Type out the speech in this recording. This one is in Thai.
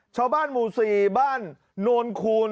ชาวบ้านหมู่๔บ้านโนนคูณ